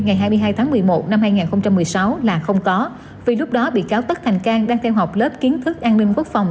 ngày hai mươi hai tháng một mươi một năm hai nghìn một mươi sáu là không có vì lúc đó bị cáo tất thành cang đang theo học lớp kiến thức an ninh quốc phòng